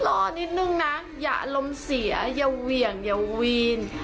รอนิดนึงนะอย่าอารมณ์เสียอย่าเหวี่ยงอย่าวีน